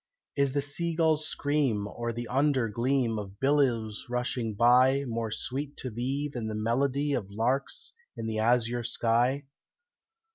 Is the sea gull's scream or the under gleam Of billows rushing by More sweet to thee than the melody Of larks in the azure sky?